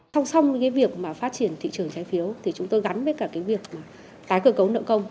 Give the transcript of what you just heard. song song việc phát triển thị trường trái phiếu chúng tôi gắn với việc tái cơ cấu nợ công